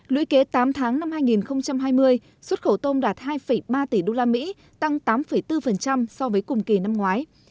lưỡi kế tám tháng năm hai nghìn hai mươi xuất khẩu tôm đạt hai ba tỷ usd tăng tám bốn so với cùng kỳ năm ngoái